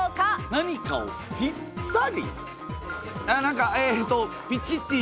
何かをぴったり？